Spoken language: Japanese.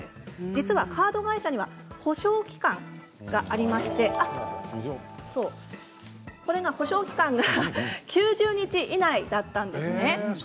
実は、カード会社には補償期間がありまして９０日以内だったんですね。